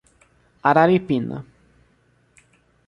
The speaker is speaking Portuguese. Araripina